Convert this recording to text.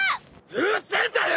うるせえんだよ！